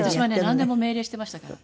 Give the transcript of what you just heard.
なんでも命令してましたから。